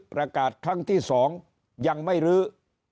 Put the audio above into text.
ประกาศครั้งที่๒ยังไม่รื้อ